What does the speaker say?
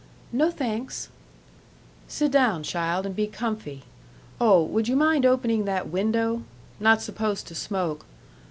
"No, thanks." "Sit down, child, and be comfy. Oh, would you mind opening that window? Not supposed to smoke....